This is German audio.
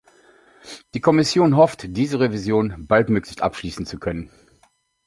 Die Kommission hofft, diese Revision baldmöglichst abschließen zu können.